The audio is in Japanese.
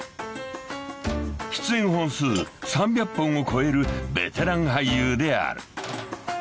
［出演本数３００本を超えるベテラン俳優である］